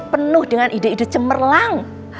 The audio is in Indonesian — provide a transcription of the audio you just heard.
penuh dengan ide ide cemerlang